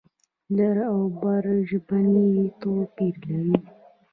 لر او بر ژبنی توپیر لري.